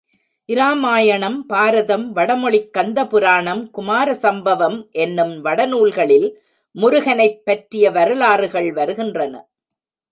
இராமாயணம், பாரதம், வடமொழிக் கந்த புராணம், குமார சம்பவம் என்னும் வடநூல்களில் முருகனைப் பற்றிய வரலாறுகள் வருகின்றன.